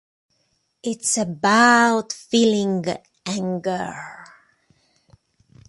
It's about feeling anger.